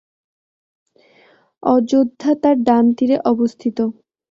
অযোধ্যা তার ডান তীরে অবস্থিত।